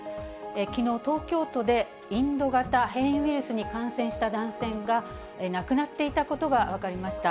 きのう、東京都でインド型変異ウイルスに感染した男性が、亡くなっていたことが分かりました。